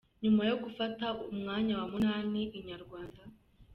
Nyuma yo gufata umwanya wa munani Inyarwanda.